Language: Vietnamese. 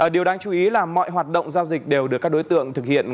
điều đáng chú ý là mọi hoạt động giao dịch đều được các đối tượng thực hiện